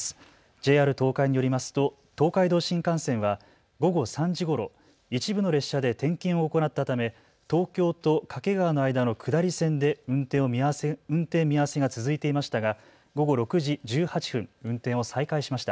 ＪＲ東海によりますと東海道新幹線は午後３時ごろ一部の列車で点検を行ったため東京と掛川の間の下り線で運転見合わせが続いていましたが午後６時１８分運転を再開しました。